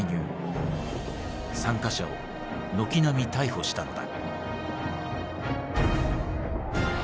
参加者を軒並み逮捕したのだ。